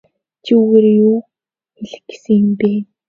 Чи үүгээрээ юу хэлэх гэсэн юм бэ?